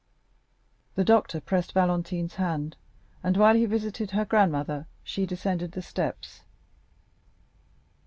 The doctor pressed Valentine's hand, and while he visited her grandmother, she descended the steps.